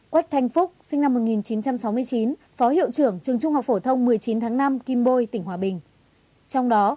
quách thanh phúc sinh năm một nghìn chín trăm sáu mươi chín phó hiệu trưởng trường trung học phổ thông một mươi chín tháng năm kim bôi tỉnh hòa bình